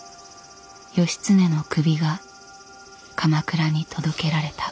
義経の首が鎌倉に届けられた。